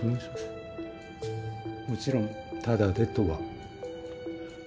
もちろんタダでとは。